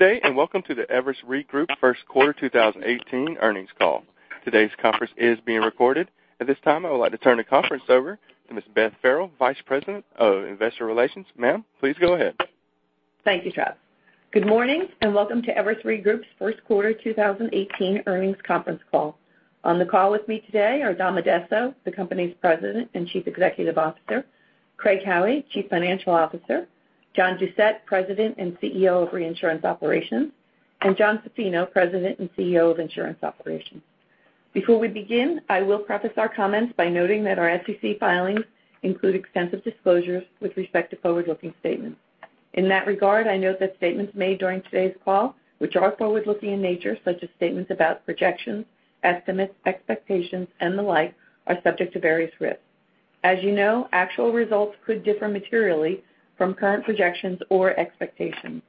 Good day, and welcome to the Everest Re Group first quarter 2018 earnings call. Today's conference is being recorded. At this time, I would like to turn the conference over to Ms. Beth Farrell, Vice President of Investor Relations. Ma'am, please go ahead. Thank you, Travis. Good morning, and welcome to Everest Re Group's first quarter 2018 earnings conference call. On the call with me today are Dom Addesso, the company's President and Chief Executive Officer, Craig Howie, Chief Financial Officer, John Doucette, President and CEO of Reinsurance Operations, and Jonathan Zaffino, President and CEO of Insurance Operations. Before we begin, I will preface our comments by noting that our SEC filings include extensive disclosures with respect to forward-looking statements. In that regard, I note that statements made during today's call, which are forward-looking in nature, such as statements about projections, estimates, expectations, and the like, are subject to various risks. As you know, actual results could differ materially from current projections or expectations.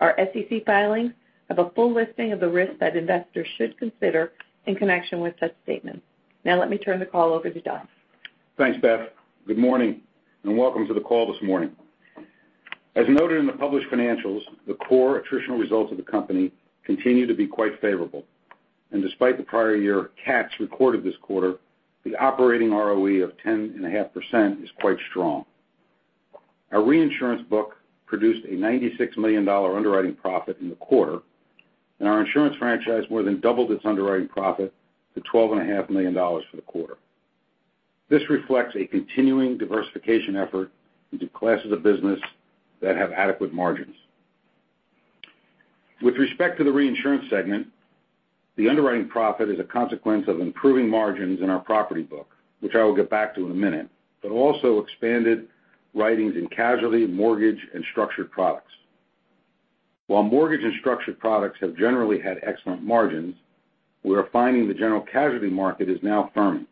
Our SEC filings have a full listing of the risks that investors should consider in connection with such statements. Let me turn the call over to Dom. Thanks, Beth. Good morning, and welcome to the call this morning. As noted in the published financials, the core attritional results of the company continue to be quite favorable. Despite the prior year cats recorded this quarter, the operating ROE of 10.5% is quite strong. Our reinsurance book produced a $96 million underwriting profit in the quarter, and our insurance franchise more than doubled its underwriting profit to $12.5 million for the quarter. This reflects a continuing diversification effort into classes of business that have adequate margins. With respect to the reinsurance segment, the underwriting profit is a consequence of improving margins in our property book, which I will get back to in a minute, but also expanded writings in casualty, mortgage, and structured products. While mortgage and structured products have generally had excellent margins, we are finding the general casualty market is now firming,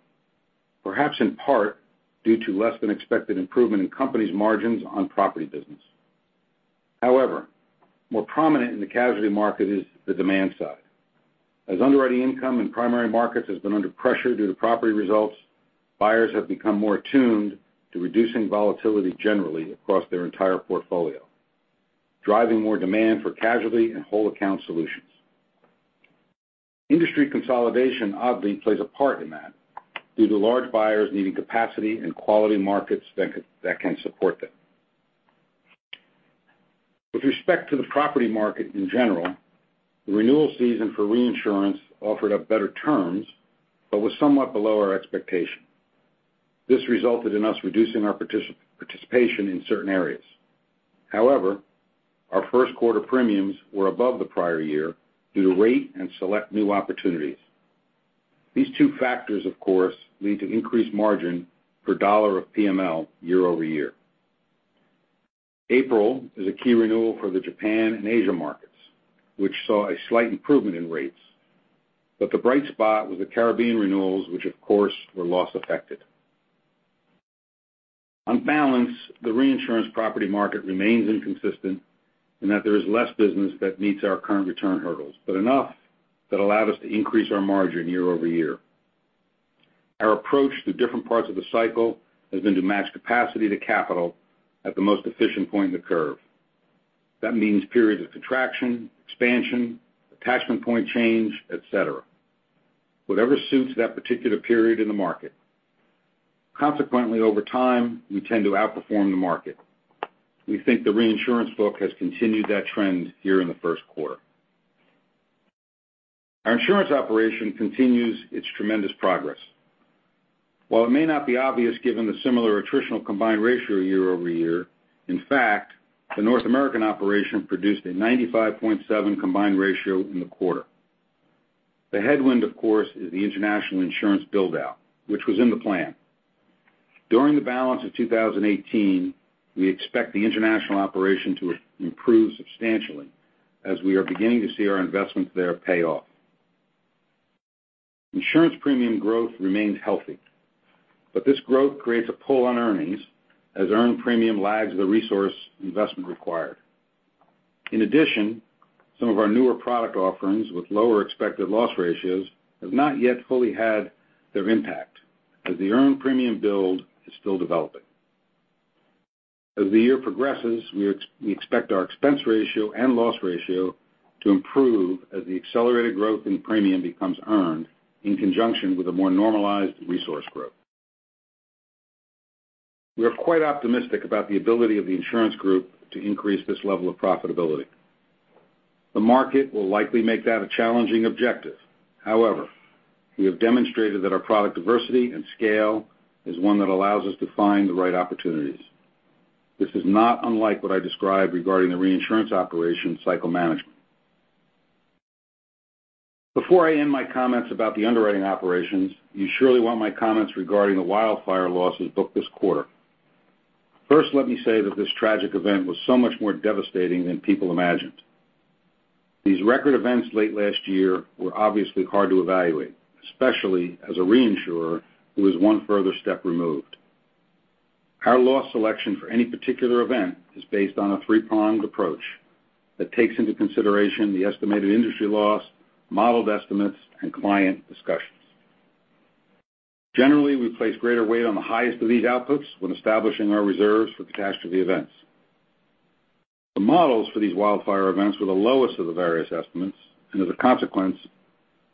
perhaps in part due to less than expected improvement in companies' margins on property business. However, more prominent in the casualty market is the demand side. As underwriting income in primary markets has been under pressure due to property results, buyers have become more attuned to reducing volatility generally across their entire portfolio, driving more demand for casualty and whole account solutions. Industry consolidation oddly plays a part in that due to large buyers needing capacity and quality markets that can support them. With respect to the property market in general, the renewal season for reinsurance offered up better terms but was somewhat below our expectation. This resulted in us reducing our participation in certain areas. Our first quarter premiums were above the prior year due to rate and select new opportunities. These two factors, of course, lead to increased margin per dollar of PML year-over-year. April is a key renewal for the Japan and Asia markets, which saw a slight improvement in rates, the bright spot was the Caribbean renewals, which, of course, were loss-affected. On balance, the reinsurance property market remains inconsistent in that there is less business that meets our current return hurdles, enough that allowed us to increase our margin year-over-year. Our approach to different parts of the cycle has been to match capacity to capital at the most efficient point in the curve. That means periods of contraction, expansion, attachment point change, et cetera. Whatever suits that particular period in the market. Over time, we tend to outperform the market. We think the reinsurance book has continued that trend here in the first quarter. Our insurance operation continues its tremendous progress. While it may not be obvious given the similar attritional combined ratio year-over-year, in fact, the North American operation produced a 95.7 combined ratio in the quarter. The headwind, of course, is the international insurance build-out, which was in the plan. During the balance of 2018, we expect the international operation to improve substantially as we are beginning to see our investments there pay off. Insurance premium growth remains healthy, this growth creates a pull on earnings as earned premium lags the resource investment required. Some of our newer product offerings with lower expected loss ratios have not yet fully had their impact as the earned premium build is still developing. The year progresses, we expect our expense ratio and loss ratio to improve as the accelerated growth in premium becomes earned in conjunction with a more normalized resource growth. We are quite optimistic about the ability of the insurance group to increase this level of profitability. The market will likely make that a challenging objective. We have demonstrated that our product diversity and scale is one that allows us to find the right opportunities. This is not unlike what I described regarding the reinsurance operations cycle management. Before I end my comments about the underwriting operations, you surely want my comments regarding the wildfire losses booked this quarter. Let me say that this tragic event was so much more devastating than people imagined. These record events late last year were obviously hard to evaluate, especially as a reinsurer who is one further step removed. Our loss selection for any particular event is based on a three-pronged approach that takes into consideration the estimated industry loss, modeled estimates, and client discussions. We place greater weight on the highest of these outputs when establishing our reserves for catastrophe events. The models for these wildfire events were the lowest of the various estimates,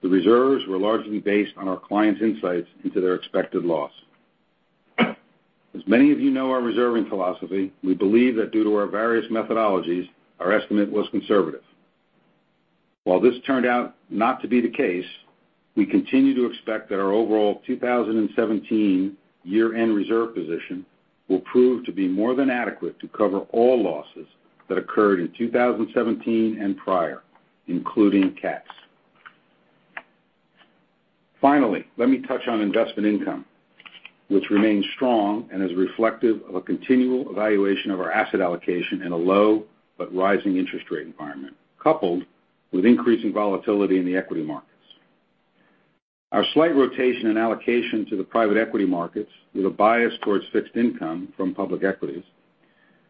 the reserves were largely based on our clients' insights into their expected loss. Many of you know our reserving philosophy, we believe that due to our various methodologies, our estimate was conservative. This turned out not to be the case, we continue to expect that our overall 2017 year-end reserve position will prove to be more than adequate to cover all losses that occurred in 2017 and prior, including cats. Finally, let me touch on investment income, which remains strong and is reflective of a continual evaluation of our asset allocation in a low but rising interest rate environment, coupled with increasing volatility in the equity markets. Our slight rotation and allocation to the private equity markets with a bias towards fixed income from public equities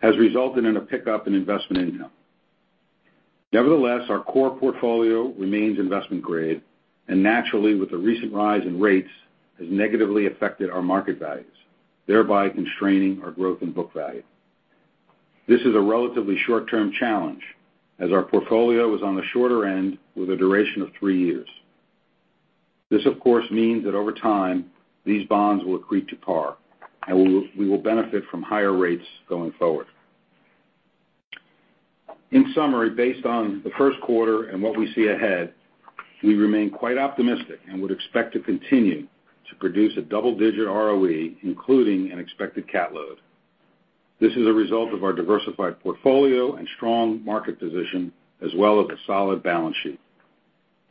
has resulted in a pickup in investment income. Nevertheless, our core portfolio remains investment grade and naturally, with the recent rise in rates, has negatively affected our market values, thereby constraining our growth in book value. This is a relatively short-term challenge as our portfolio is on the shorter end with a duration of three years. This, of course, means that over time, these bonds will accrete to par, and we will benefit from higher rates going forward. In summary, based on the first quarter and what we see ahead, we remain quite optimistic and would expect to continue to produce a double-digit ROE, including an expected cat load. This is a result of our diversified portfolio and strong market position, as well as a solid balance sheet.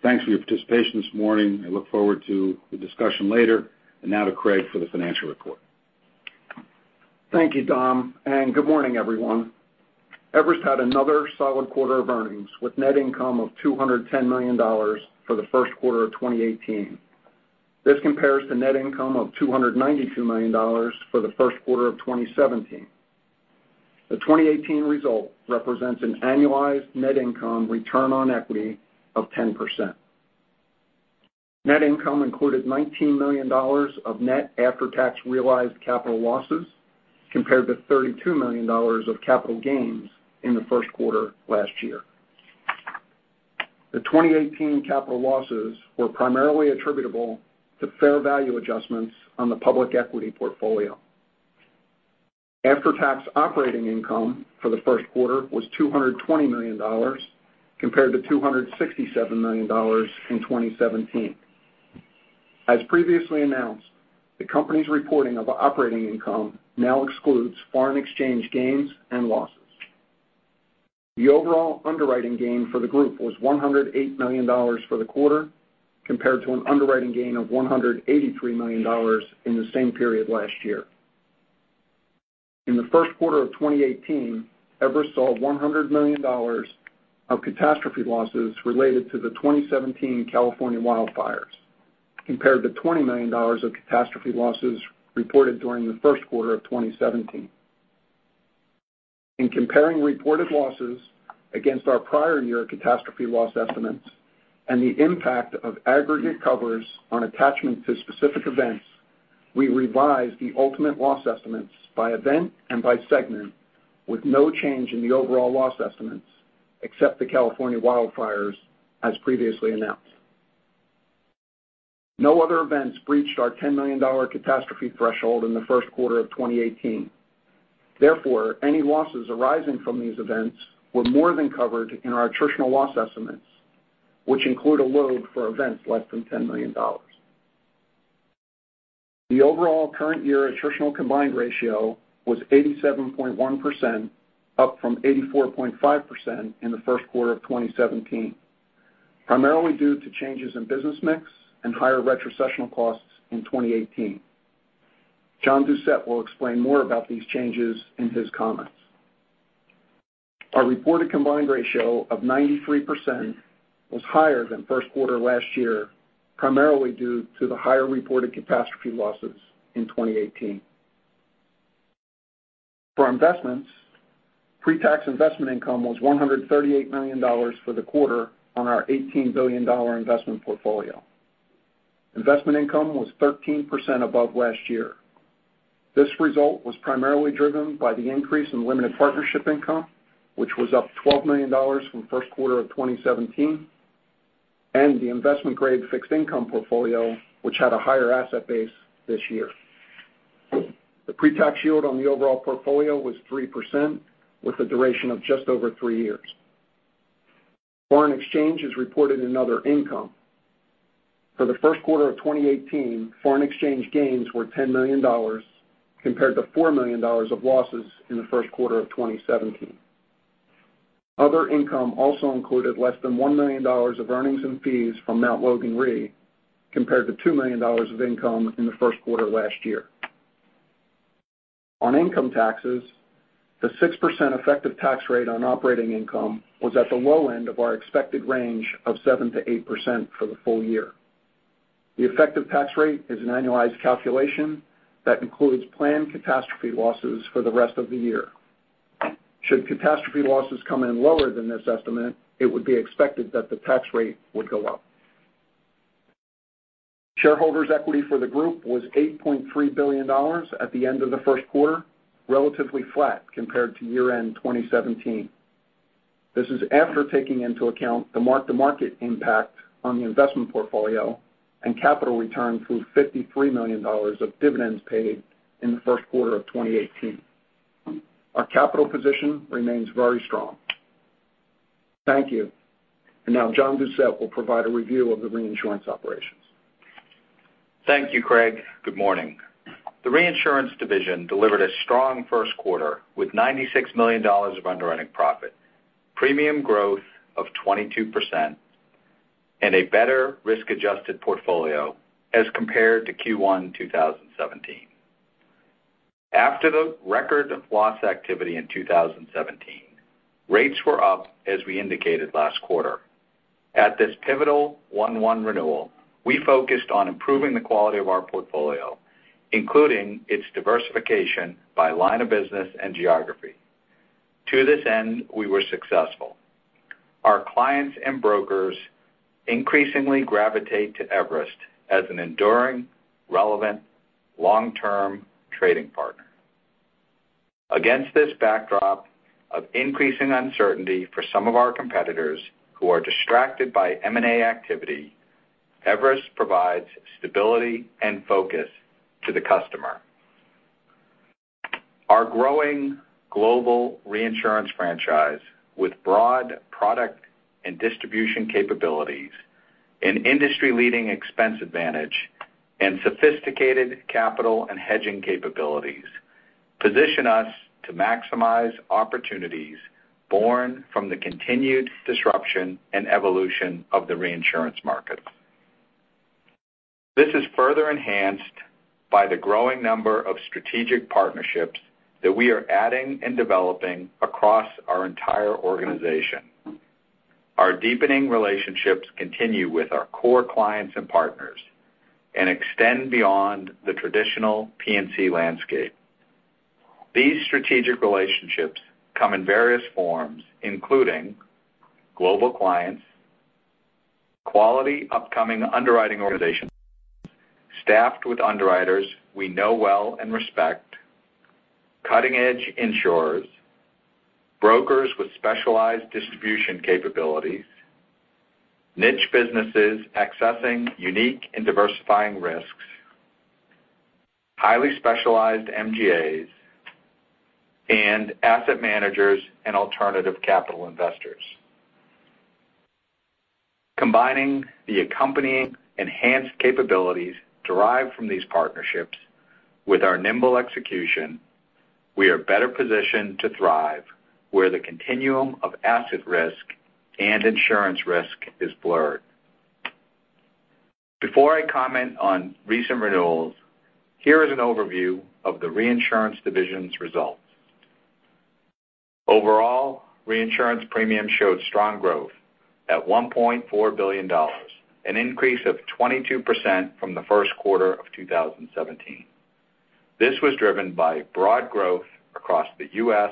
Thanks for your participation this morning. I look forward to the discussion later. Now to Craig for the financial report. Thank you, Dom, good morning, everyone. Everest had another solid quarter of earnings, with net income of $210 million for the first quarter of 2018. This compares to net income of $292 million for the first quarter of 2017. The 2018 result represents an annualized net income return on equity of 10%. Net income included $19 million of net after-tax realized capital losses, compared to $32 million of capital gains in the first quarter last year. The 2018 capital losses were primarily attributable to fair value adjustments on the public equity portfolio. After-tax operating income for the first quarter was $220 million, compared to $267 million in 2017. As previously announced, the company's reporting of operating income now excludes foreign exchange gains and losses. The overall underwriting gain for the group was $108 million for the quarter, compared to an underwriting gain of $183 million in the same period last year. In the first quarter of 2018, Everest saw $100 million of catastrophe losses related to the 2017 California wildfires, compared to $20 million of catastrophe losses reported during the first quarter of 2017. In comparing reported losses against our prior year catastrophe loss estimates and the impact of aggregate covers on attachment to specific events, we revised the ultimate loss estimates by event and by segment with no change in the overall loss estimates, except the California wildfires, as previously announced. No other events breached our $10 million catastrophe threshold in the first quarter of 2018. Therefore, any losses arising from these events were more than covered in our attritional loss estimates, which include a load for events less than $10 million. The overall current year attritional combined ratio was 87.1%, up from 84.5% in the first quarter of 2017, primarily due to changes in business mix and higher retrocessional costs in 2018. John Doucette will explain more about these changes in his comments. Our reported combined ratio of 93% was higher than first quarter last year, primarily due to the higher reported catastrophe losses in 2018. For investments, pre-tax investment income was $138 million for the quarter on our $18 billion investment portfolio. Investment income was 13% above last year. This result was primarily driven by the increase in limited partnership income, which was up $12 million from first quarter of 2017, and the investment-grade fixed income portfolio, which had a higher asset base this year. The pre-tax yield on the overall portfolio was 3%, with a duration of just over three years. Foreign exchange is reported in other income. For the first quarter of 2018, foreign exchange gains were $10 million compared to $4 million of losses in the first quarter of 2017. Other income also included less than $1 million of earnings and fees from Mt. Logan Re, compared to $2 million of income in the first quarter last year. On income taxes, the 6% effective tax rate on operating income was at the low end of our expected range of 7% to 8% for the full year. The effective tax rate is an annualized calculation that includes planned catastrophe losses for the rest of the year. Should catastrophe losses come in lower than this estimate, it would be expected that the tax rate would go up. Shareholders' equity for the group was $8.3 billion at the end of the first quarter, relatively flat compared to year-end 2017. This is after taking into account the mark-to-market impact on the investment portfolio and capital return through $53 million of dividends paid in the first quarter of 2018. Our capital position remains very strong. Thank you. Now John Doucette will provide a review of the reinsurance operations. Thank you, Craig. Good morning. The reinsurance division delivered a strong first quarter with $96 million of underwriting profit, premium growth of 22%, and a better risk-adjusted portfolio as compared to Q1 2017. After the record of loss activity in 2017, rates were up as we indicated last quarter. At this pivotal 1-1 renewal, we focused on improving the quality of our portfolio, including its diversification by line of business and geography. To this end, we were successful. Our clients and brokers increasingly gravitate to Everest as an enduring, relevant, long-term trading partner. Against this backdrop of increasing uncertainty for some of our competitors who are distracted by M&A activity, Everest provides stability and focus to the customer. Our growing global reinsurance franchise with broad product and distribution capabilities, an industry-leading expense advantage, and sophisticated capital and hedging capabilities position us to maximize opportunities born from the continued disruption and evolution of the reinsurance market. This is further enhanced by the growing number of strategic partnerships that we are adding and developing across our entire organization. Our deepening relationships continue with our core clients and partners and extend beyond the traditional P&C landscape. These strategic relationships come in various forms, including global clients, quality upcoming underwriting organizations staffed with underwriters we know well and respect, cutting-edge insurers, brokers with specialized distribution capabilities, niche businesses accessing unique and diversifying risks, highly specialized MGAs, and asset managers and alternative capital investors. Combining the accompanying enhanced capabilities derived from these partnerships with our nimble execution, we are better positioned to thrive where the continuum of asset risk and insurance risk is blurred. Before I comment on recent renewals, here is an overview of the reinsurance division's results. Overall, reinsurance premiums showed strong growth at $1.4 billion, an increase of 22% from the first quarter of 2017. This was driven by broad growth across the U.S.,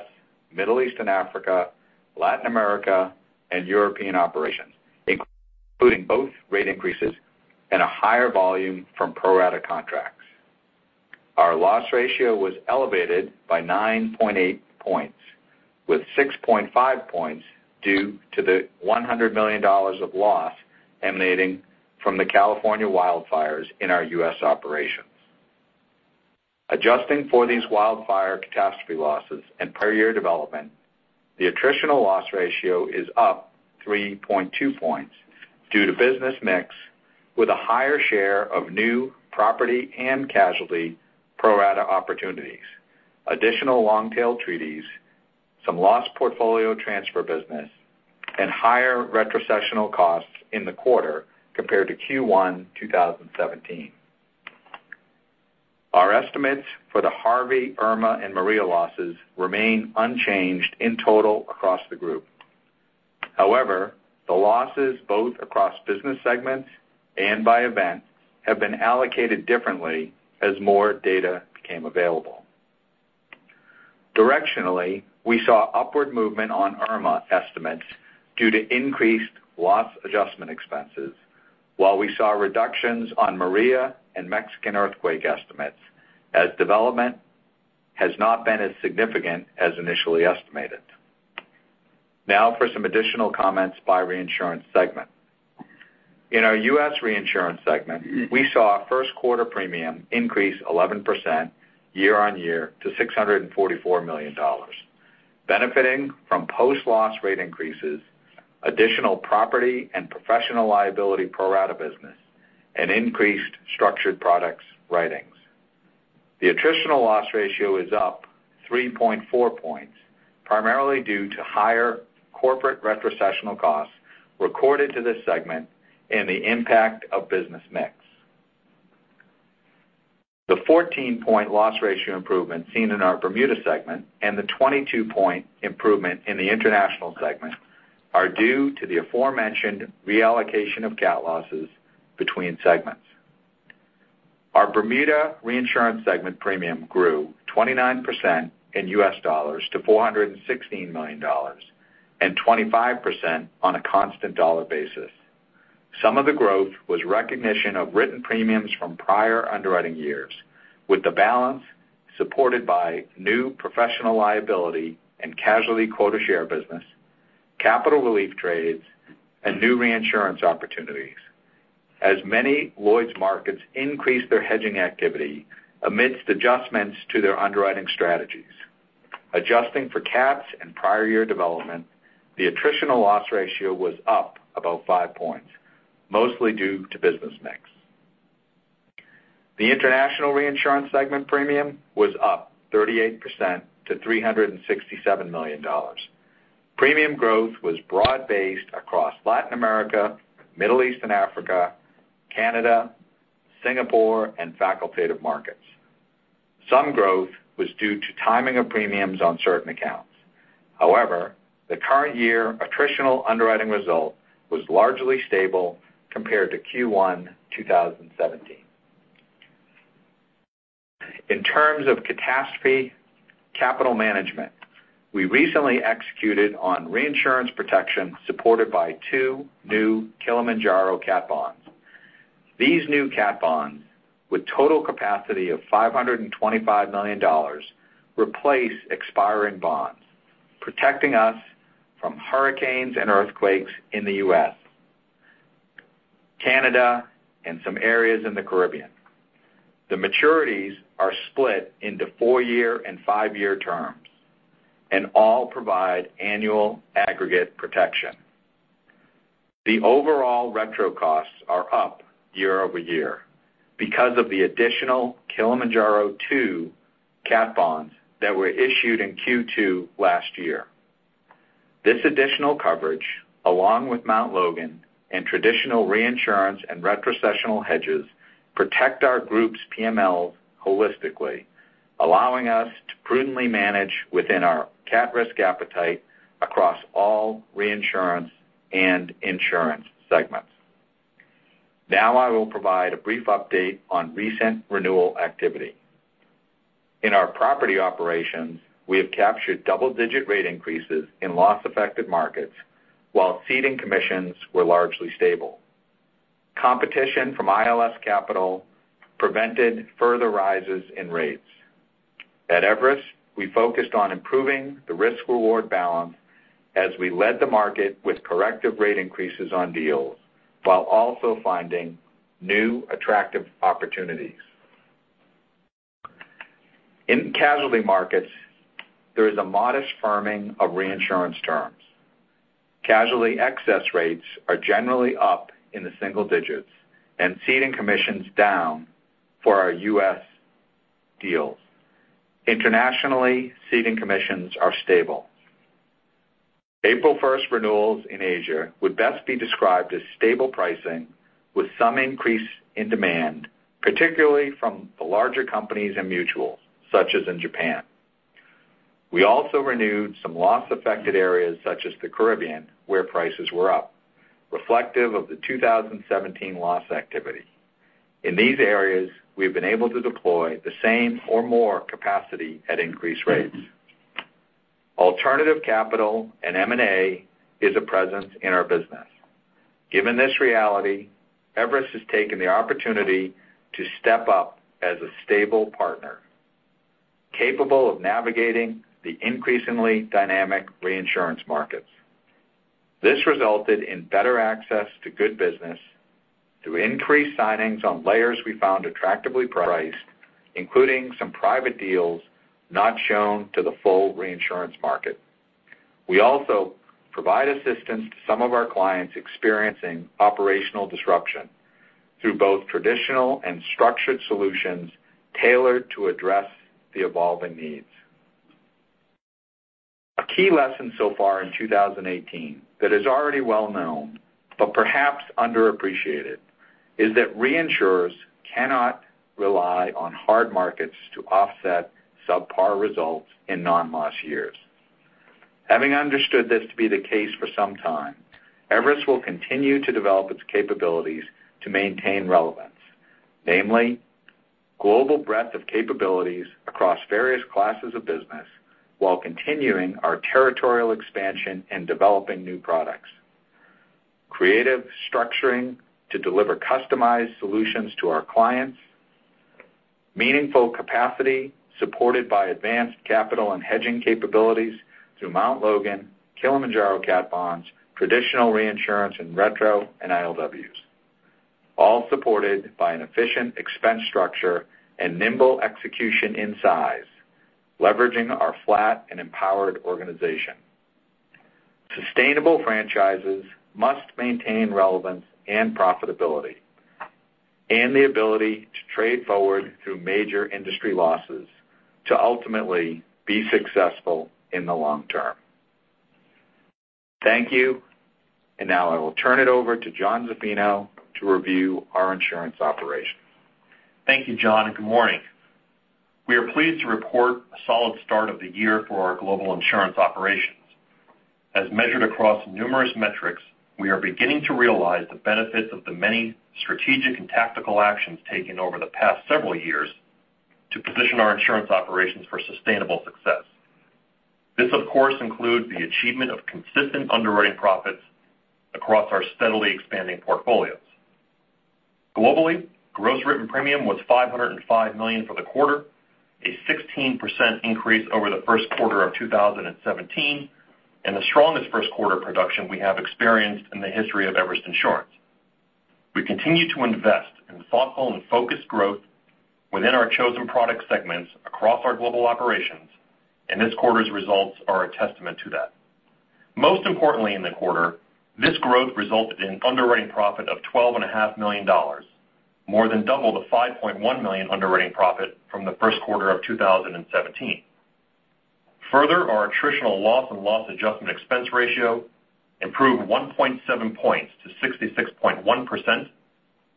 Middle East and Africa, Latin America, and European operations, including both rate increases and a higher volume from pro-rata contracts. Our loss ratio was elevated by 9.8 points, with 6.5 points due to the $100 million of loss emanating from the California wildfires in our U.S. operations. Adjusting for these wildfire catastrophe losses and per-year development, the attritional loss ratio is up 3.2 points due to business mix with a higher share of new property and casualty pro-rata opportunities, additional long-tail treaties, some loss portfolio transfer business, and higher retrocessional costs in the quarter compared to Q1 2017. Our estimates for the Harvey, Irma, and Maria losses remain unchanged in total across the group. The losses both across business segments and by event have been allocated differently as more data became available. Directionally, we saw upward movement on Irma estimates due to increased loss adjustment expenses, while we saw reductions on Maria and Mexican earthquake estimates as development has not been as significant as initially estimated. For some additional comments by reinsurance segment. In our U.S. reinsurance segment, we saw first quarter premium increase 11% year-over-year to $644 million, benefiting from post-loss rate increases, additional property and professional liability pro-rata business, and increased structured products writings. The attritional loss ratio is up 3.4 points, primarily due to higher corporate retrocessional costs recorded to this segment and the impact of business mix. The 14-point loss ratio improvement seen in our Bermuda segment and the 22-point improvement in the international segment are due to the aforementioned reallocation of cat losses between segments. Our Bermuda reinsurance segment premium grew 29% in U.S. dollars to $416 million and 25% on a constant dollar basis. Some of the growth was recognition of written premiums from prior underwriting years, with the balance supported by new professional liability and casualty quota share business, capital relief trades, and new reinsurance opportunities, as many Lloyd's markets increased their hedging activity amidst adjustments to their underwriting strategies. Adjusting for cats and prior year development, the attritional loss ratio was up about five points, mostly due to business mix. The international reinsurance segment premium was up 38% to $367 million. Premium growth was broad-based across Latin America, Middle East and Africa, Canada, Singapore, and facultative markets. Some growth was due to timing of premiums on certain accounts. However, the current year attritional underwriting result was largely stable compared to Q1 2017. In terms of catastrophe capital management, we recently executed on reinsurance protection supported by two new Kilimanjaro cat bonds. These new cat bonds, with total capacity of $525 million, replace expiring bonds, protecting us from hurricanes and earthquakes in the U.S., Canada, and some areas in the Caribbean. The maturities are split into four-year and five-year terms and all provide annual aggregate protection. The overall retro costs are up year-over-year because of the additional Kilimanjaro II cat bonds that were issued in Q2 last year. This additional coverage, along with Mount Logan and traditional reinsurance and retrocessional hedges, protect our group's PMLs holistically, allowing us to prudently manage within our cat risk appetite across all reinsurance and insurance segments. I will provide a brief update on recent renewal activity. In our property operations, we have captured double-digit rate increases in loss-affected markets, while ceding commissions were largely stable. Competition from ILS capital prevented further rises in rates. At Everest, we focused on improving the risk-reward balance as we led the market with corrective rate increases on deals, while also finding new attractive opportunities. In casualty markets, there is a modest firming of reinsurance terms. Casualty excess rates are generally up in the single digits and ceding commissions down for our U.S. deals. Internationally, ceding commissions are stable. April 1st renewals in Asia would best be described as stable pricing with some increase in demand, particularly from the larger companies and mutuals, such as in Japan. We also renewed some loss-affected areas such as the Caribbean, where prices were up, reflective of the 2017 loss activity. In these areas, we have been able to deploy the same or more capacity at increased rates. Alternative capital and M&A is a presence in our business. Given this reality, Everest has taken the opportunity to step up as a stable partner, capable of navigating the increasingly dynamic reinsurance markets. This resulted in better access to good business through increased signings on layers we found attractively priced, including some private deals not shown to the full reinsurance market. We also provide assistance to some of our clients experiencing operational disruption through both traditional and structured solutions tailored to address the evolving needs. A key lesson so far in 2018 that is already well-known, but perhaps underappreciated, is that reinsurers cannot rely on hard markets to offset subpar results in non-loss years. Having understood this to be the case for some time, Everest will continue to develop its capabilities to maintain relevance. Namely, global breadth of capabilities across various classes of business while continuing our territorial expansion and developing new products. Creative structuring to deliver customized solutions to our clients. Meaningful capacity supported by advanced capital and hedging capabilities through Mt. Logan, Kilimanjaro cat bonds, traditional reinsurance and retro, and ILWs. All supported by an efficient expense structure and nimble execution in size, leveraging our flat and empowered organization. Sustainable franchises must maintain relevance and profitability and the ability to trade forward through major industry losses to ultimately be successful in the long term. Thank you. Now I will turn it over to John Zaffino to review our insurance operations. Thank you, John, and good morning. We are pleased to report a solid start of the year for our global insurance operations. As measured across numerous metrics, we are beginning to realize the benefits of the many strategic and tactical actions taken over the past several years to position our insurance operations for sustainable success. This, of course, includes the achievement of consistent underwriting profits across our steadily expanding portfolios. Globally, gross written premium was $505 million for the quarter, a 16% increase over the first quarter of 2017, and the strongest first quarter production we have experienced in the history of Everest Insurance. We continue to invest in thoughtful and focused growth within our chosen product segments across our global operations, and this quarter's results are a testament to that. Most importantly in the quarter, this growth resulted in underwriting profit of $12.5 million, more than double the $5.1 million underwriting profit from the first quarter of 2017. Further, our attritional loss and loss adjustment expense ratio improved 1.7 points to 66.1%,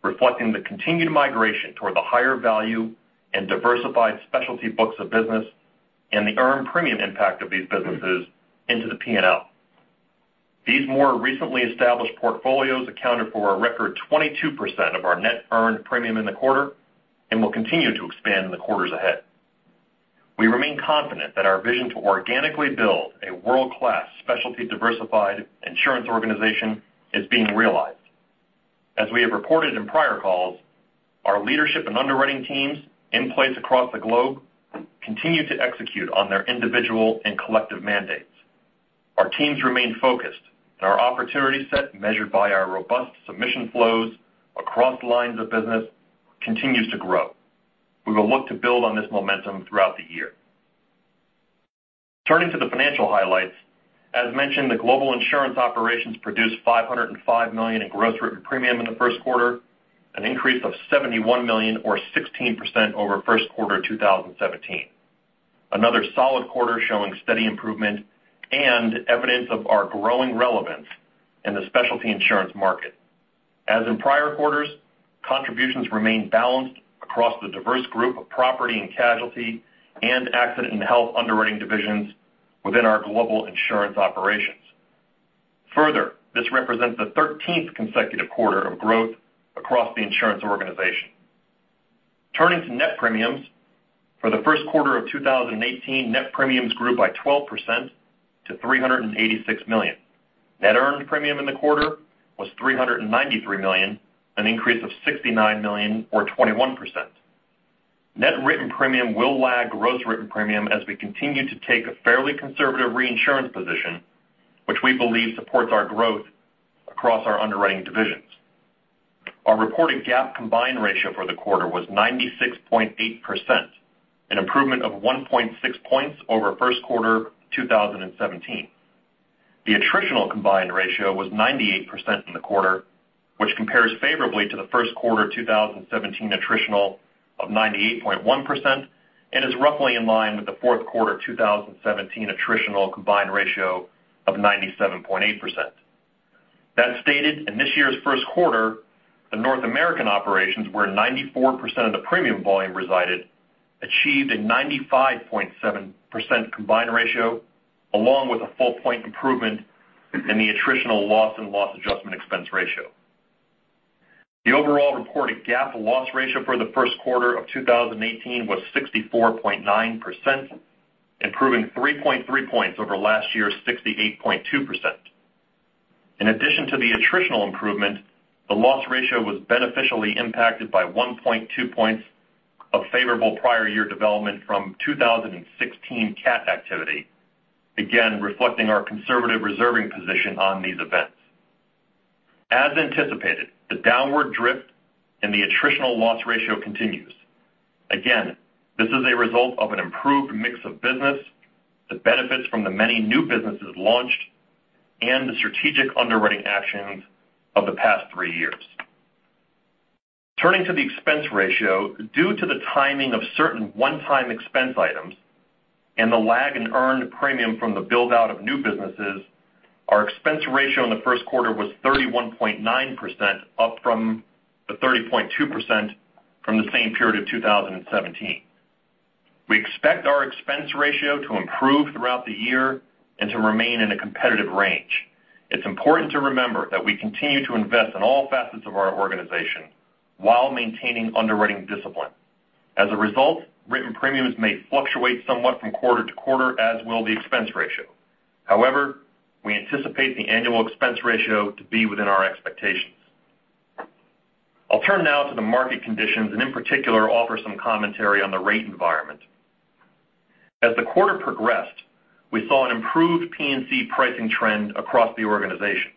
reflecting the continued migration toward the higher value and diversified specialty books of business and the earned premium impact of these businesses into the P&L. These more recently established portfolios accounted for a record 22% of our net earned premium in the quarter and will continue to expand in the quarters ahead. We remain confident that our vision to organically build a world-class specialty diversified insurance organization is being realized. As we have reported in prior calls, our leadership and underwriting teams in place across the globe continue to execute on their individual and collective mandates. Our teams remain focused, our opportunity set, measured by our robust submission flows across lines of business, continues to grow. We will look to build on this momentum throughout the year. Turning to the financial highlights, as mentioned, the global insurance operations produced $505 million in gross written premium in the first quarter, an increase of $71 million or 16% over first quarter 2017. Another solid quarter showing steady improvement and evidence of our growing relevance in the specialty insurance market. As in prior quarters, contributions remain balanced across the diverse group of property and casualty and accident and health underwriting divisions within our global insurance operations. Further, this represents the 13th consecutive quarter of growth across the insurance organization. Turning to net premiums, for the first quarter of 2018, net premiums grew by 12% to $386 million. Net earned premium in the quarter was $393 million, an increase of $69 million or 21%. Net written premium will lag gross written premium as we continue to take a fairly conservative reinsurance position, which we believe supports our growth across our underwriting divisions. Our reported GAAP combined ratio for the quarter was 96.8%, an improvement of 1.6 points over first quarter 2017. The attritional combined ratio was 98% in the quarter, which compares favorably to the first quarter 2017 attritional of 98.1% and is roughly in line with the fourth quarter 2017 attritional combined ratio of 97.8%. That stated, in this year's first quarter, the North American operations, where 94% of the premium volume resided, achieved a 95.7% combined ratio, along with a full point improvement in the attritional loss and loss adjustment expense ratio. The overall reported GAAP loss ratio for the first quarter of 2018 was 64.9%, improving 3.3 points over last year's 68.2%. In addition to the attritional improvement, the loss ratio was beneficially impacted by 1.2 points of favorable prior year development from 2016 cat activity, again, reflecting our conservative reserving position on these events. As anticipated, the downward drift in the attritional loss ratio continues. This is a result of an improved mix of business, the benefits from the many new businesses launched, and the strategic underwriting actions of the past three years. Turning to the expense ratio, due to the timing of certain one-time expense items and the lag in earned premium from the build-out of new businesses, our expense ratio in the first quarter was 31.9%, up from the 30.2% from the same period of 2017. We expect our expense ratio to improve throughout the year and to remain in a competitive range. It's important to remember that we continue to invest in all facets of our organization while maintaining underwriting discipline. As a result, written premiums may fluctuate somewhat from quarter to quarter, as will the expense ratio. However, we anticipate the annual expense ratio to be within our expectations. I'll turn now to the market conditions and in particular, offer some commentary on the rate environment. As the quarter progressed, we saw an improved P&C pricing trend across the organization.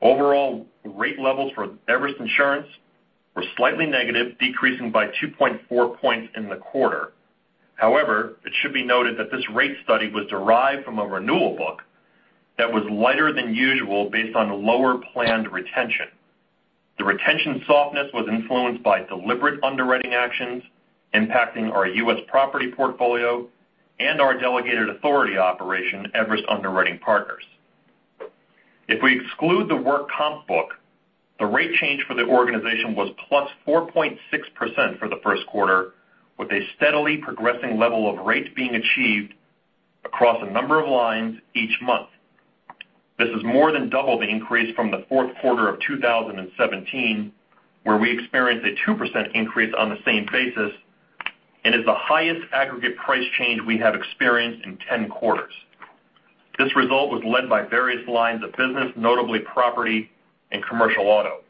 Overall, rate levels for Everest Insurance were slightly negative, decreasing by 2.4 points in the quarter. However, it should be noted that this rate study was derived from a renewal book that was lighter than usual based on lower planned retention. The retention softness was influenced by deliberate underwriting actions impacting our U.S. property portfolio and our delegated authority operation, Everest Underwriting Partners. If we exclude the work comp book, the rate change for the organization was plus 4.6% for the first quarter, with a steadily progressing level of rates being achieved across a number of lines each month. This is more than double the increase from the fourth quarter of 2017, where we experienced a 2% increase on the same basis and is the highest aggregate price change we have experienced in 10 quarters. This result was led by various lines of business, notably property and commercial auto.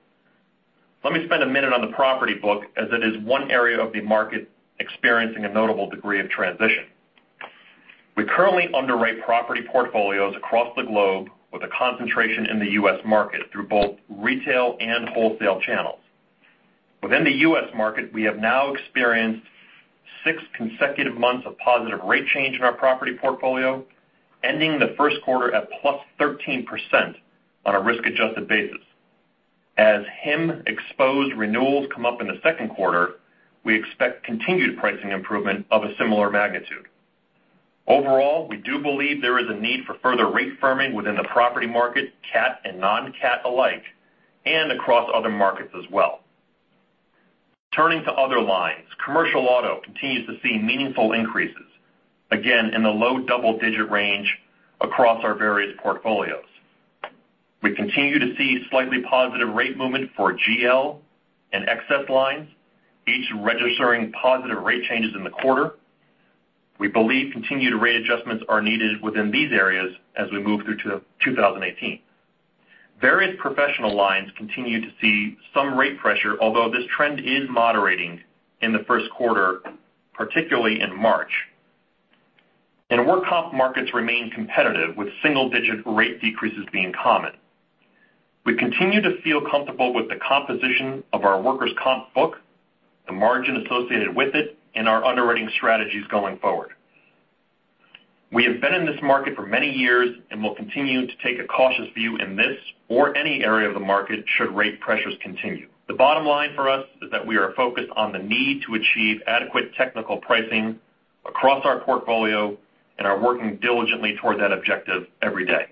Let me spend a minute on the property book, as it is one area of the market experiencing a notable degree of transition. We currently underwrite property portfolios across the globe with a concentration in the U.S. market through both retail and wholesale channels. Within the U.S. market, we have now experienced six consecutive months of positive rate change in our property portfolio, ending the first quarter at +13% on a risk-adjusted basis. As HIM-exposed renewals come up in the second quarter, we expect continued pricing improvement of a similar magnitude. Overall, we do believe there is a need for further rate firming within the property market, CAT and non-CAT alike, and across other markets as well. Turning to other lines, commercial auto continues to see meaningful increases, again, in the low double-digit range across our various portfolios. We continue to see slightly positive rate movement for GL and excess lines, each registering positive rate changes in the quarter. We believe continued rate adjustments are needed within these areas as we move through 2018. Various professional lines continue to see some rate pressure, although this trend is moderating in the first quarter, particularly in March. Work comp markets remain competitive, with single-digit rate decreases being common. We continue to feel comfortable with the composition of our workers' comp book, the margin associated with it, and our underwriting strategies going forward. We have been in this market for many years and will continue to take a cautious view in this or any area of the market should rate pressures continue. The bottom line for us is that we are focused on the need to achieve adequate technical pricing across our portfolio and are working diligently toward that objective every day.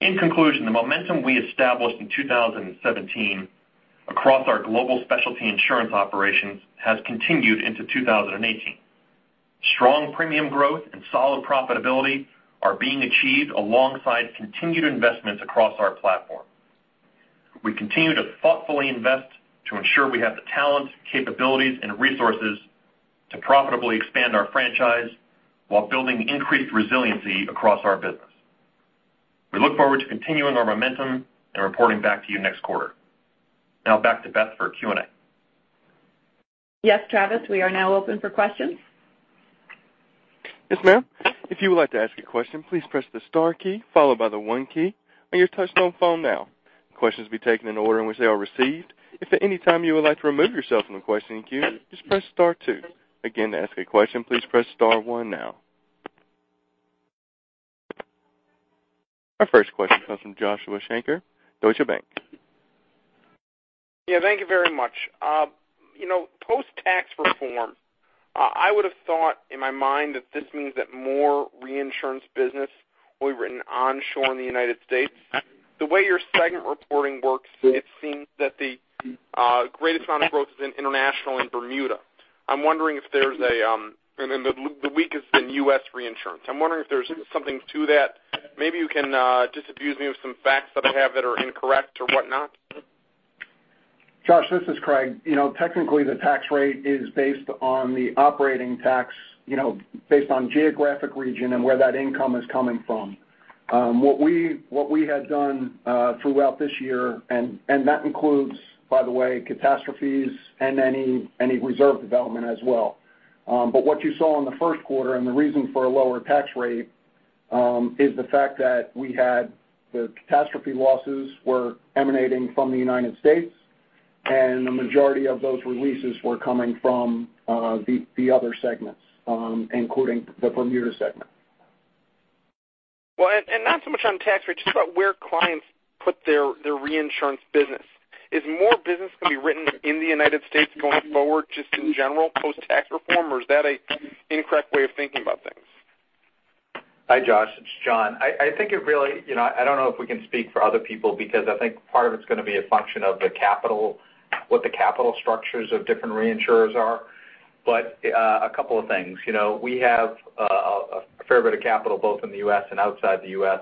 In conclusion, the momentum we established in 2017 across our global specialty insurance operations has continued into 2018. Strong premium growth and solid profitability are being achieved alongside continued investments across our platform. We continue to thoughtfully invest to ensure we have the talents, capabilities, and resources to profitably expand our franchise while building increased resiliency across our business. We look forward to continuing our momentum and reporting back to you next quarter. Now back to Beth for Q&A. Yes, Travis, we are now open for questions. Yes, ma'am. If you would like to ask a question, please press the star key followed by the one key on your touchtone phone now. Questions will be taken in the order in which they are received. If at any time you would like to remove yourself from the questioning queue, just press star two. Again, to ask a question, please press star one now. Our first question comes from Joshua Shanker, Deutsche Bank. Yeah, thank you very much. Post-tax reform, I would've thought in my mind that this means that more reinsurance business will be written onshore in the U.S. The way your segment reporting works, it seems that the greatest amount of growth is in international and Bermuda. Then the weakest in U.S. reinsurance. I'm wondering if there's something to that. Maybe you can disabuse me of some facts that I have that are incorrect or whatnot. Josh, this is Craig. Technically, the tax rate is based on the operating tax based on geographic region and where that income is coming from. What we had done throughout this year, and that includes, by the way, catastrophes and any reserve development as well. What you saw in the first quarter, and the reason for a lower tax rate, is the fact that we had the catastrophe losses were emanating from the U.S., and the majority of those releases were coming from the other segments, including the Bermuda segment. Well, not so much on tax rate, just about where clients put their reinsurance business. Is more business going to be written in the U.S. going forward, just in general post-tax reform, or is that an incorrect way of thinking about things? Hi, Josh. It's John. I don't know if we can speak for other people because I think part of it's going to be a function of what the capital structures of different reinsurers are. A couple of things. We have a fair bit of capital both in the U.S. and outside the U.S.,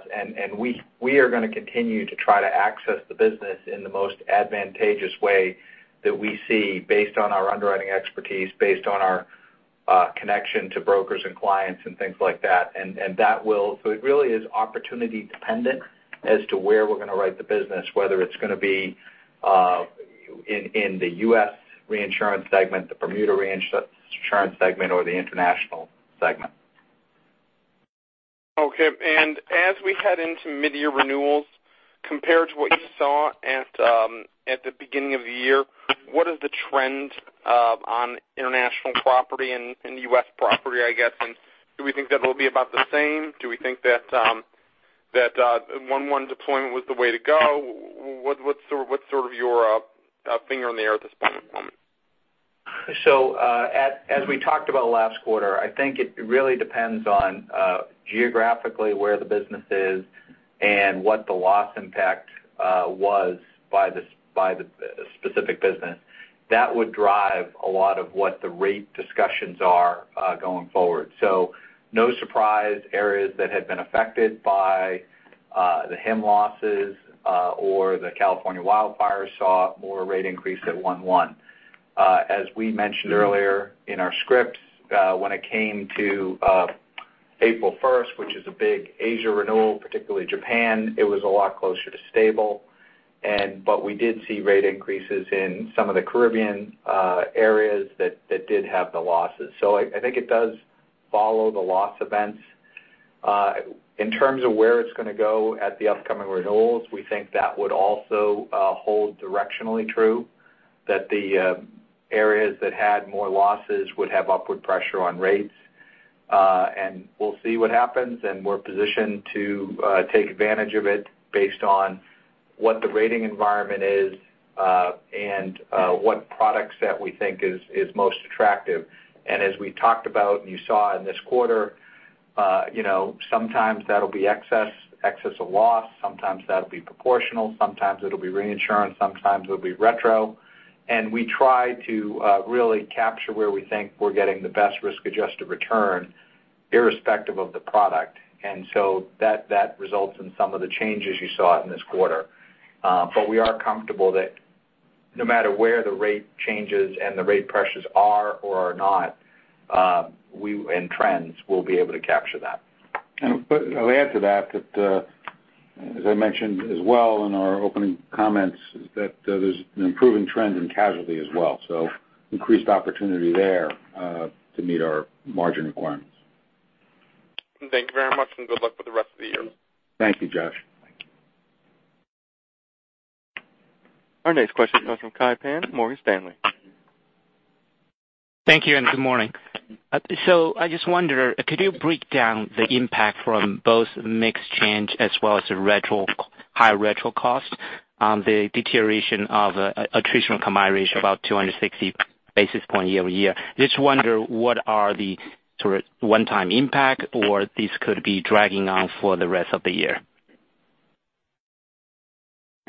we are going to continue to try to access the business in the most advantageous way that we see based on our underwriting expertise, based on our connection to brokers and clients and things like that. It really is opportunity dependent as to where we're going to write the business, whether it's going to be in the U.S. reinsurance segment, the Bermuda reinsurance segment, or the international segment. Okay. As we head into midyear renewals, compared to what you saw at the beginning of the year, what is the trend on international property and U.S. property, I guess? Do we think that it'll be about the same? Do we think that 1-1 deployment was the way to go? What's sort of your finger in the air at this point in time? As we talked about last quarter, I think it really depends on geographically where the business is and what the loss impact was by the specific business. That would drive a lot of what the rate discussions are going forward. No surprise areas that had been affected by the HIM losses or the California wildfires saw more rate increase at one-one. As we mentioned earlier in our script, when it came to April 1st, which is a big Asia renewal, particularly Japan, it was a lot closer to stable. We did see rate increases in some of the Caribbean areas that did have the losses. I think it does follow the loss events. In terms of where it's going to go at the upcoming renewals, we think that would also hold directionally true, that the areas that had more losses would have upward pressure on rates. We'll see what happens, and we're positioned to take advantage of it based on what the rating environment is and what product set we think is most attractive. As we talked about and you saw in this quarter, sometimes that'll be excess of loss, sometimes that'll be proportional, sometimes it'll be reinsurance, sometimes it'll be retro. We try to really capture where we think we're getting the best risk-adjusted return, irrespective of the product. That results in some of the changes you saw in this quarter. We are comfortable that no matter where the rate changes and the rate pressures are or are not, and trends, we'll be able to capture that. I'll add to that, as I mentioned as well in our opening comments, is that there's an improving trend in casualty as well. Increased opportunity there to meet our margin requirements. Thank you very much, and good luck with the rest of the year. Thank you, Josh. Our next question comes from Kai Pan, Morgan Stanley. Thank you, and good morning. I just wonder, could you break down the impact from both mix change as well as the high retro cost on the deterioration of attritional combined ratio, about 260 basis point year-over-year? Just wonder what are the sort of one-time impact, or this could be dragging on for the rest of the year?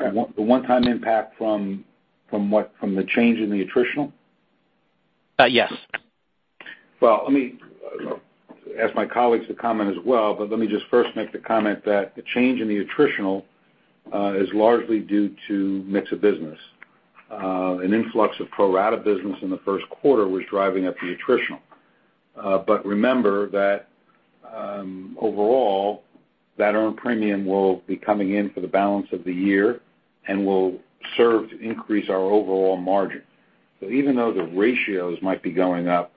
The one-time impact from the change in the attritional? Yes. I'll ask my colleagues to comment as well, but let me just first make the comment that the change in the attritional is largely due to mix of business. An influx of pro-rata business in the first quarter was driving up the attritional. Remember that overall, that earned premium will be coming in for the balance of the year and will serve to increase our overall margin. Even though the ratios might be going up,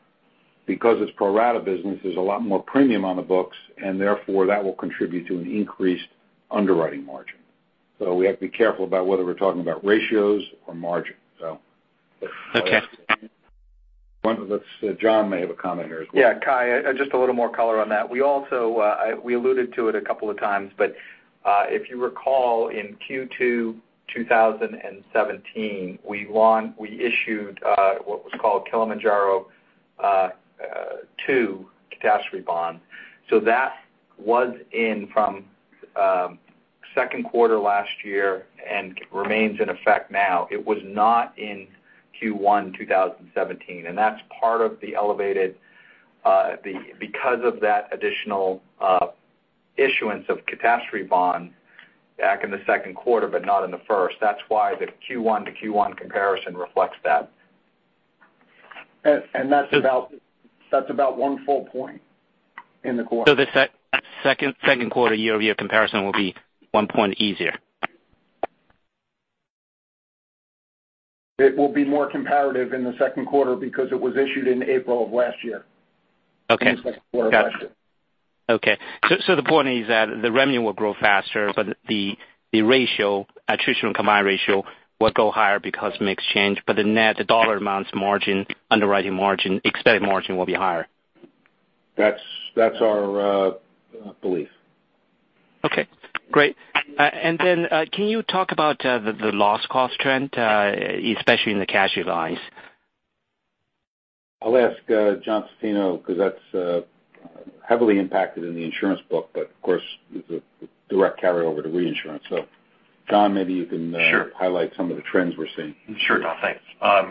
because it's pro-rata business, there's a lot more premium on the books, and therefore that will contribute to an increased underwriting margin. We have to be careful about whether we're talking about ratios or margin. Okay. John may have a comment here as well. Yeah, Kai, just a little more color on that. We alluded to it a couple of times, but if you recall in Q2 2017, we issued what was called Kilimanjaro II catastrophe bond. That was in from second quarter last year and remains in effect now. It was not in Q1 2017, and that's part of the elevated, because of that additional issuance of catastrophe bond back in the second quarter but not in the first. That's why the Q1 to Q1 comparison reflects that. That's about one full point in the quarter. The second quarter year-over-year comparison will be one point easier? It will be more comparative in the second quarter because it was issued in April of last year. Okay, got you. Okay. The point is that the revenue will grow faster, but the ratio, attritional combined ratio, will go higher because of mix change, but the net dollar amounts margin, underwriting margin, expected margin will be higher. That's our belief. Okay, great. Can you talk about the loss cost trend, especially in the casualty lines? I'll ask John Zaffino because that's heavily impacted in the insurance book, but of course, it's a direct carryover to reinsurance. John, maybe you can- Sure highlight some of the trends we're seeing. Sure, John. Thanks.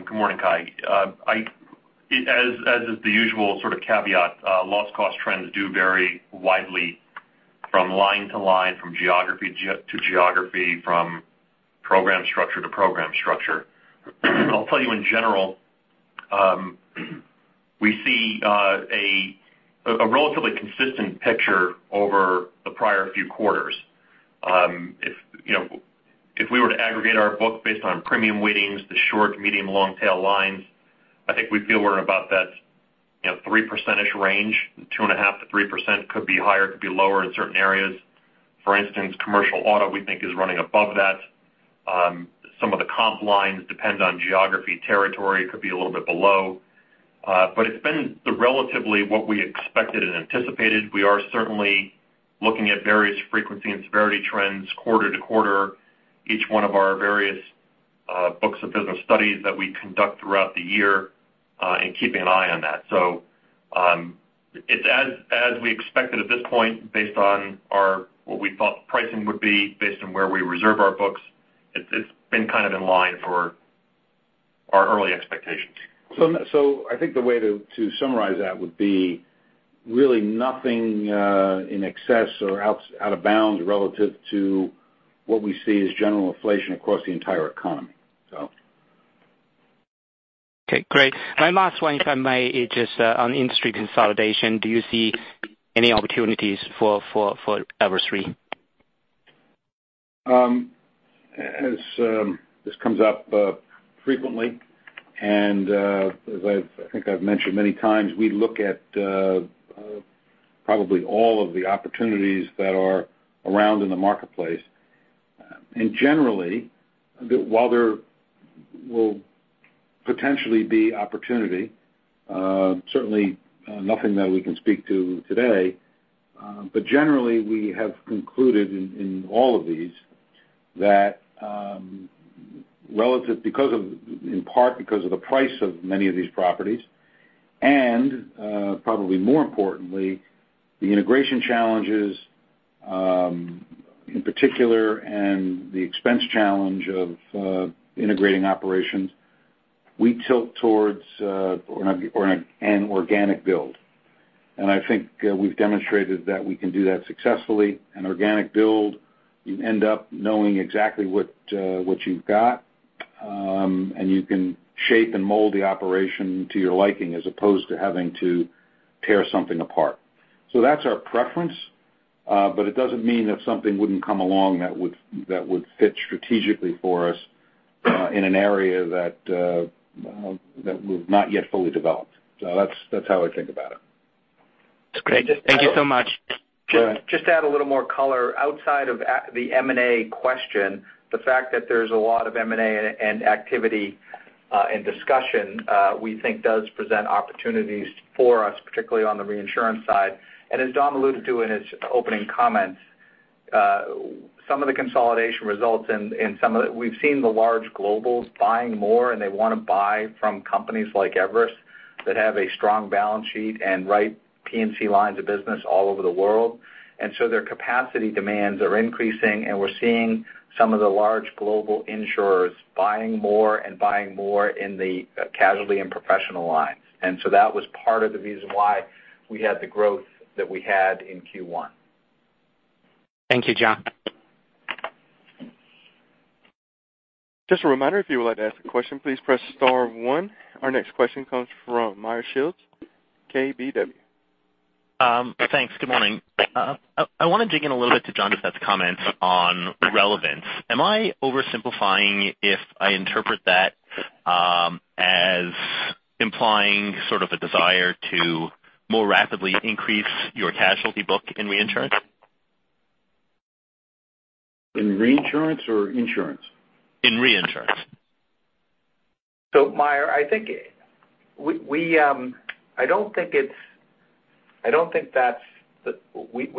Good morning, Kai. As is the usual sort of caveat, loss cost trends do vary widely from line to line, from geography to geography, from program structure to program structure. I'll tell you in general, we see a relatively consistent picture over the prior few quarters. If we were to aggregate our books based on premium weightings, the short, medium, long tail lines, I think we feel we're in about that 3% range, 2.5% to 3% could be higher, could be lower in certain areas. For instance, commercial auto, we think, is running above that. Some of the comp lines depend on geography, territory could be a little bit below. It's been relatively what we expected and anticipated. We are certainly looking at various frequency and severity trends quarter to quarter, each one of our various books of business studies that we conduct throughout the year, and keeping an eye on that. It's as we expected at this point, based on what we thought the pricing would be, based on where we reserve our books. It's been kind of in line for our early expectations. I think the way to summarize that would be really nothing in excess or out of bounds relative to what we see as general inflation across the entire economy. Okay, great. My last one, if I may, is just on industry consolidation. Do you see any opportunities for Everest Re? This comes up frequently. As I think I've mentioned many times, we look at probably all of the opportunities that are around in the marketplace. Generally, while there will potentially be opportunity, certainly nothing that we can speak to today. Generally, we have concluded in all of these that in part because of the price of many of these properties and probably more importantly, the integration challenges, in particular, and the expense challenge of integrating operations, we tilt towards an organic build. I think we've demonstrated that we can do that successfully. An organic build, you end up knowing exactly what you've got, and you can shape and mold the operation to your liking, as opposed to having to tear something apart. That's our preference. It doesn't mean that something wouldn't come along that would fit strategically for us in an area that we've not yet fully developed. That's how I think about it. That's great. Thank you so much. Go ahead. Just to add a little more color, outside of the M&A question, the fact that there's a lot of M&A and activity and discussion we think does present opportunities for us, particularly on the reinsurance side. As Dom alluded to in his opening comments, some of the consolidation results in some of the We've seen the large globals buying more, and they want to buy from companies like Everest that have a strong balance sheet and right P&C lines of business all over the world. Their capacity demands are increasing, and we're seeing some of the large global insurers buying more in the casualty and professional lines. That was part of the reason why we had the growth that we had in Q1. Thank you, John. Just a reminder, if you would like to ask a question, please press star one. Our next question comes from Meyer Shields, KBW. Thanks. Good morning. I want to dig in a little bit to John Doucette's comments on relevance. Am I oversimplifying if I interpret that as implying sort of a desire to more rapidly increase your casualty book in reinsurance? In reinsurance or insurance? In reinsurance. Meyer, we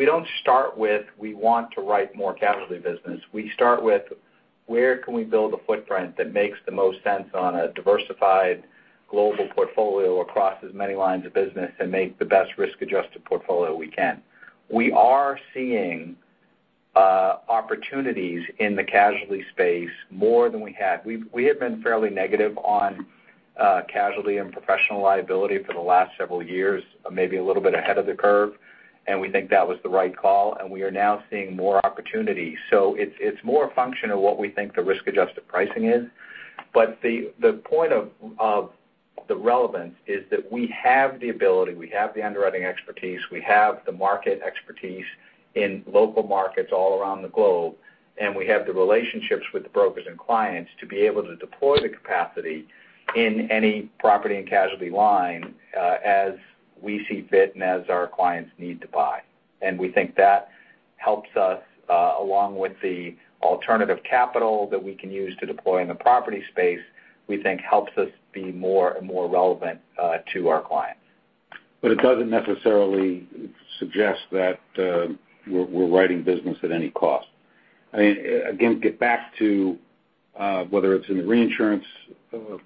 don't start with we want to write more casualty business. We start with where can we build a footprint that makes the most sense on a diversified global portfolio across as many lines of business and make the best risk-adjusted portfolio we can. We are seeing opportunities in the casualty space more than we had. We have been fairly negative on casualty and professional liability for the last several years, maybe a little bit ahead of the curve, and we think that was the right call, and we are now seeing more opportunities. It's more a function of what we think the risk-adjusted pricing is. The point of the relevance is that we have the ability, we have the underwriting expertise, we have the market expertise in local markets all around the globe, and we have the relationships with the brokers and clients to be able to deploy the capacity in any property and casualty line as we see fit and as our clients need to buy. We think that helps us, along with the alternative capital that we can use to deploy in the property space, we think helps us be more relevant to our clients. It doesn't necessarily suggest that we're writing business at any cost. Again, get back to whether it's in the reinsurance operation or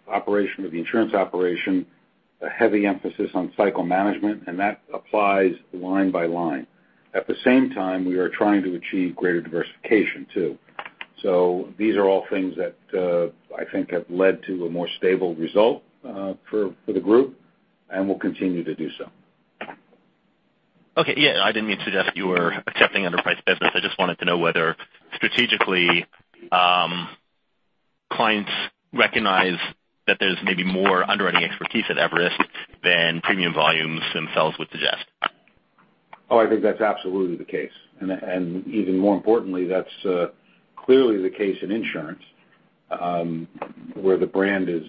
the insurance operation, a heavy emphasis on cycle management, and that applies line by line. At the same time, we are trying to achieve greater diversification, too. These are all things that I think have led to a more stable result for the group and will continue to do so. Okay. Yeah, I didn't mean to suggest you were accepting underpriced business. I just wanted to know whether strategically clients recognize that there's maybe more underwriting expertise at Everest than premium volumes themselves would suggest. Oh, I think that's absolutely the case. Even more importantly, that's clearly the case in insurance, where the brand is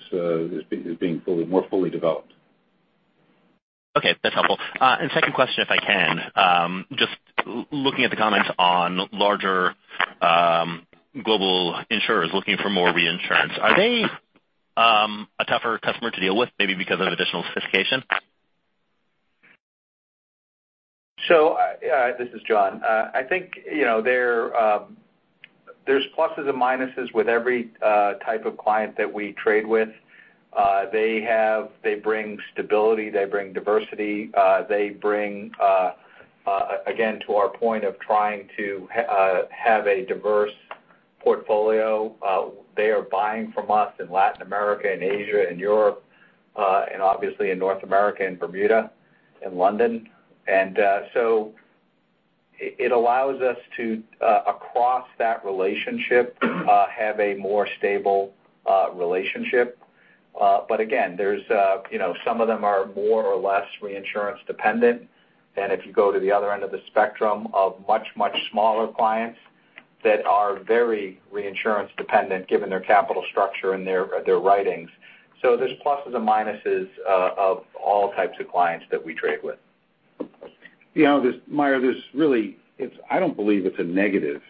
being more fully developed. That's helpful. Second question, if I can, just looking at the comments on larger global insurers looking for more reinsurance, are they a tougher customer to deal with maybe because of additional sophistication? This is John. I think there's pluses and minuses with every type of client that we trade with. They bring stability. They bring diversity. They bring, again, to our point of trying to have a diverse portfolio, they are buying from us in Latin America and Asia and Europe, and obviously in North America and Bermuda and London. It allows us to, across that relationship, have a more stable relationship. Again, some of them are more or less reinsurance dependent than if you go to the other end of the spectrum of much, much smaller clients that are very reinsurance dependent given their capital structure and their writings. There's pluses and minuses of all types of clients that we trade with. Meyer, I don't believe it's a negative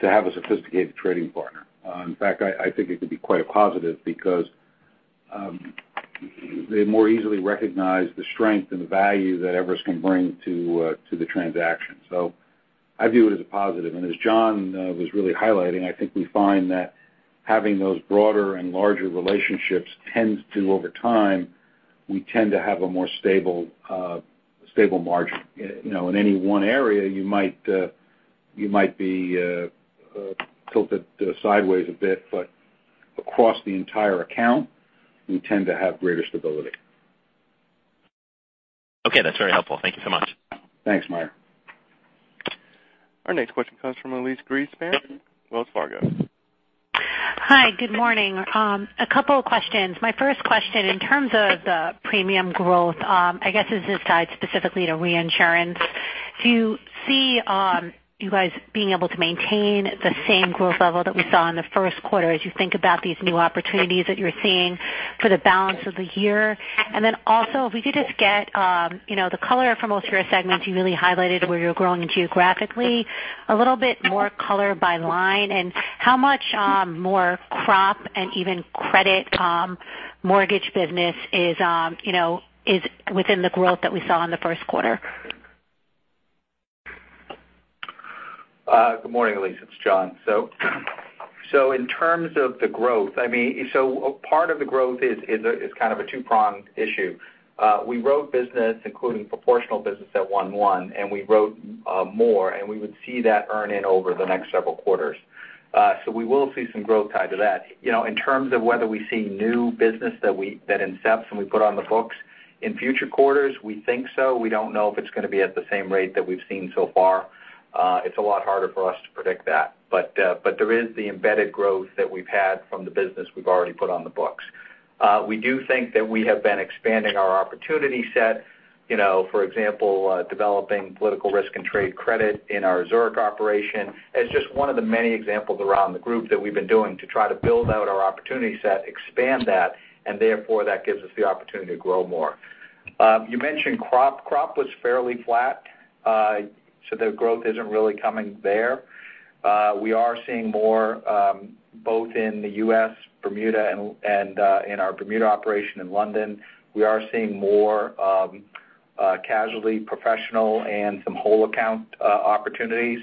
to have a sophisticated trading partner. In fact, I think it could be quite a positive because they more easily recognize the strength and the value that Everest can bring to the transaction. I view it as a positive. As John was really highlighting, I think we find that having those broader and larger relationships tends to, over time, we tend to have a more stable margin. In any one area, you might be tilted sideways a bit, but across the entire account, we tend to have greater stability. That's very helpful. Thank you so much. Thanks, Meyer. Our next question comes from Elyse Greenspan, Wells Fargo. Hi. Good morning. A couple of questions. My first question, in terms of the premium growth, I guess this is tied specifically to reinsurance. Do you see you guys being able to maintain the same growth level that we saw in the first quarter as you think about these new opportunities that you're seeing for the balance of the year? Also, if we could just get the color from most of your segments you really highlighted where you're growing geographically, a little bit more color by line, and how much more crop and even credit mortgage business is within the growth that we saw in the first quarter? Good morning, Elyse. It's John. In terms of the growth, part of the growth is kind of a two-pronged issue. We wrote business, including proportional business at 1/1, and we wrote more, and we would see that earn in over the next several quarters. We will see some growth tied to that. In terms of whether we see new business that incepts and we put on the books in future quarters, we think so. We don't know if it's going to be at the same rate that we've seen so far. It's a lot harder for us to predict that. There is the embedded growth that we've had from the business we've already put on the books. We do think that we have been expanding our opportunity set, for example developing political risk and trade credit in our Zurich operation as just one of the many examples around the group that we've been doing to try to build out our opportunity set, expand that, and therefore that gives us the opportunity to grow more. You mentioned crop. Crop was fairly flat. The growth isn't really coming there. We are seeing more both in the U.S., Bermuda and in our Bermuda operation in London. We are seeing more casualty professional and some whole account opportunities.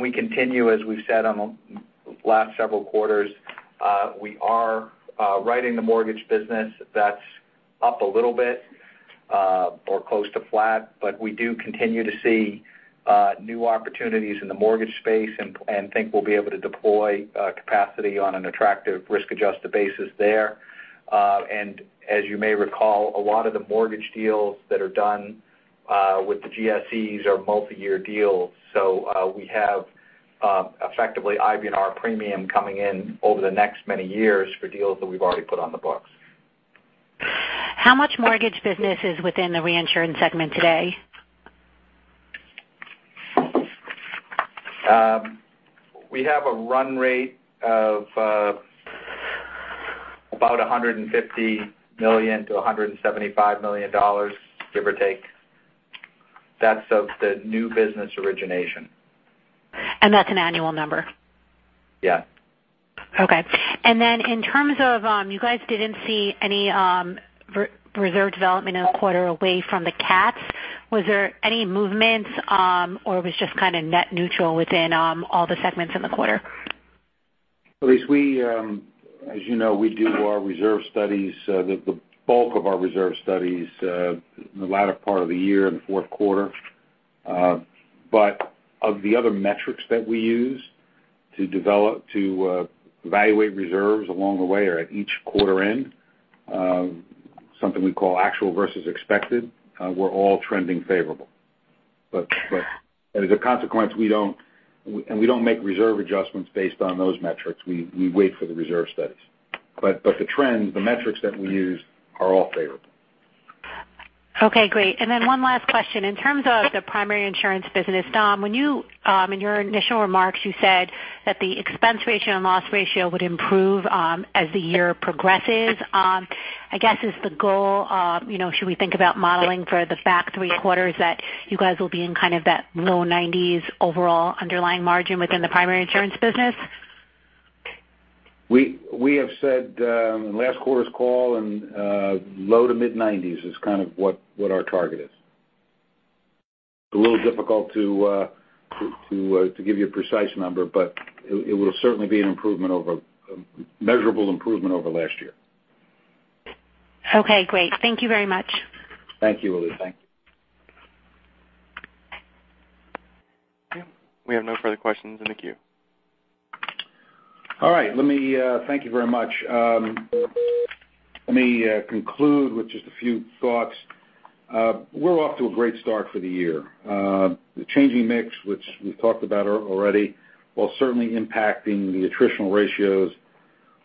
We continue, as we've said on the last several quarters, we are writing the mortgage business. That's up a little bit or close to flat, but we do continue to see new opportunities in the mortgage space and think we'll be able to deploy capacity on an attractive risk-adjusted basis there. As you may recall, a lot of the mortgage deals that are done with the GSEs are multi-year deals. We have effectively IBNR premium coming in over the next many years for deals that we've already put on the books. How much mortgage business is within the reinsurance segment today? We have a run rate of about $150 million-$175 million, give or take. That's of the new business origination. That's an annual number? Yeah. Okay. In terms of, you guys didn't see any reserve development in the quarter away from the cats. Was there any movements? It was just kind of net neutral within all the segments in the quarter? Elyse, as you know, we do our reserve studies, the bulk of our reserve studies, in the latter part of the year in the fourth quarter. Of the other metrics that we use to evaluate reserves along the way or at each quarter end, something we call actual versus expected, we're all trending favorable. As a consequence, we don't make reserve adjustments based on those metrics. We wait for the reserve studies. The trends, the metrics that we use are all favorable. Okay, great. One last question. In terms of the primary insurance business, Dom, when you, in your initial remarks, you said that the expense ratio and loss ratio would improve as the year progresses. I guess is the goal, should we think about modeling for the back three quarters that you guys will be in kind of that low nineties overall underlying margin within the primary insurance business? We have said last quarter's call and low to mid nineties is kind of what our target is. It's a little difficult to give you a precise number, but it will certainly be a measurable improvement over last year. Okay, great. Thank you very much. Thank you, Elyse. Thank you. Okay, we have no further questions in the queue. All right. Thank you very much. Let me conclude with just a few thoughts. We're off to a great start for the year. The changing mix, which we've talked about already, while certainly impacting the attritional ratios,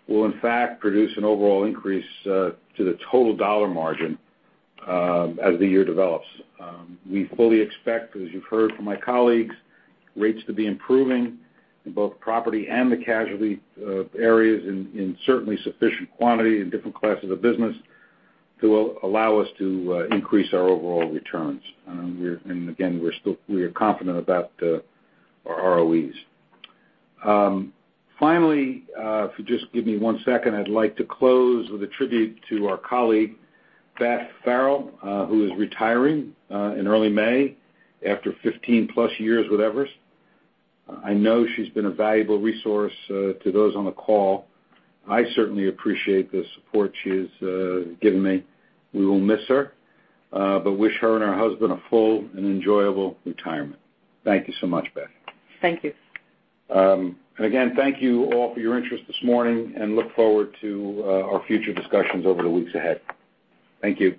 will in fact produce an overall increase to the total dollar margin as the year develops. We fully expect, as you've heard from my colleagues, rates to be improving in both property and the casualty areas in certainly sufficient quantity in different classes of business to allow us to increase our overall returns. Again, we are confident about our ROEs. Finally, if you just give me one second, I'd like to close with a tribute to our colleague, Beth Farrell, who is retiring in early May after 15+ years with Everest. I know she's been a valuable resource to those on the call. I certainly appreciate the support she has given me. We will miss her, but wish her and her husband a full and enjoyable retirement. Thank you so much, Beth. Thank you. Again, thank you all for your interest this morning, and look forward to our future discussions over the weeks ahead. Thank you.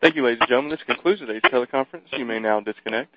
Thank you, ladies and gentlemen. This concludes today's teleconference. You may now disconnect.